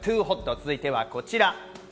続いてはこちら。